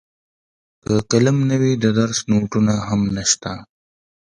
که قلم نه وي د درس نوټونه هم نشته.